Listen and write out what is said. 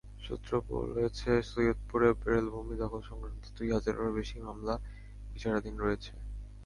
সূত্র বলেছে, সৈয়দপুরে রেলভূমি দখল-সংক্রান্ত দুই হাজারেরও বেশি মামলা বিচারাধীন রয়েছে।